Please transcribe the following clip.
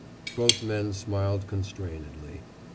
Both men smiled constrainedly.